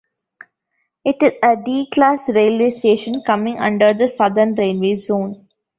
It is a 'D-Class' railway station coming under the Southern Railway Zone.